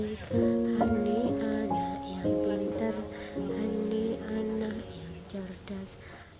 honey anak yang cerdas